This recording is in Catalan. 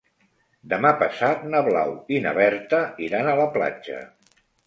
Demà passat na Blau i na Berta iran a la platja.